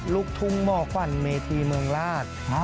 ลูกทุ่งหมอขวัญเมธีเมืองราช